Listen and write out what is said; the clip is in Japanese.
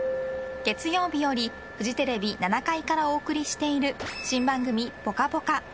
月曜日よりフジテレビ７階からお送りしている新番組「ぽかぽか」。